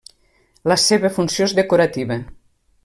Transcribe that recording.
La seva funció és decorativa.